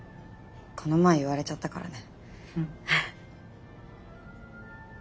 この前言われちゃったからね。